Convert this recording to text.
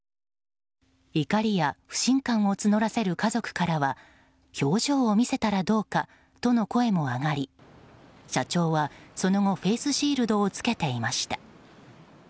怒りや不信感を募らせる家族からは表情を見せたらどうかとの声も上がり社長はその後フェースシールドを着けていました。